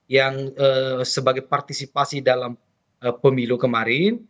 yang sebagai partisipasi dalam pemilu kemarin